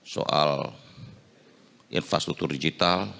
soal infrastruktur digital